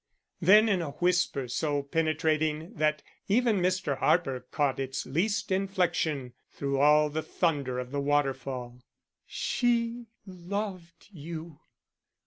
] Then in a whisper so penetrating that even Mr. Harper caught its least inflection through all the thunder of the waterfall, "She loved you."